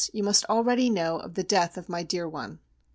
you must already know of the death of my dear one.